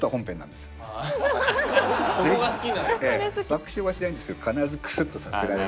爆笑はしないんですけど必ずクスッとさせられる。